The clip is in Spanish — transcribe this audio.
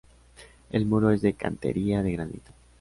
El muro es de cantería de granito.